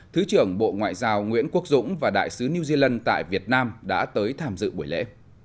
thứ trưởng bộ ngoại giao nguyễn quốc dũng và đại sứ new zealand tại việt nam đã tới tham dự buổi lễ